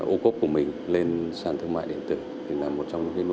ô cốt cũng bổ ích với những người nông dân